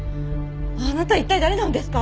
あなた一体誰なんですか？